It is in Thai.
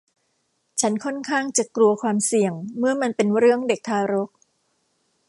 ฉันค่อนข้างจะกลัวความเสี่ยงเมื่อมันเป็นเรื่องเด็กทารก